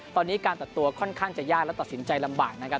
ตอนนี้การตัดตัวค่อนข้างจะยากและตัดสินใจลำบากนะครับ